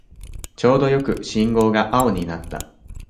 ちょうどよく信号が青になった